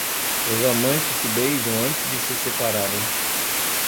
Os amantes se beijam antes de se separarem.